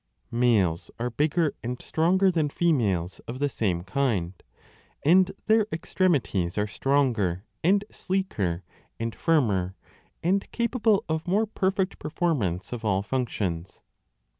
8o6 b PHYSIOGNOMONICA Males are bigger and stronger than females of the same kind, and their extremities are stronger and sleeker and firmer and capable of more perfect performance of all 3? functions.